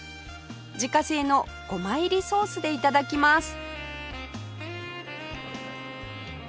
自家製のごま入りソースで頂きます